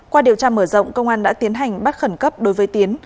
qua điều tra mở rộng công an đã tiến hành bắt khẩn cấp đối với tiến